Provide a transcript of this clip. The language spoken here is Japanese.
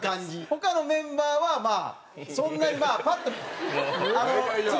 他のメンバーはまあそんなにパッとあの津田さん。